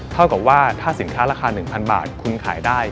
เท่ากับว่าถ้าสินค้าราคา๑๐๐บาทคุณขายได้